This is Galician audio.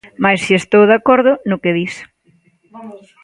Mais si estou de acordo no que dis.